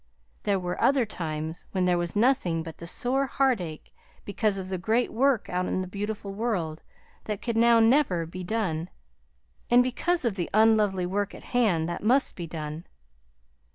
There were other times when there was nothing but the sore heartache because of the great work out in the beautiful world that could now never be done; and because of the unlovely work at hand that must be done.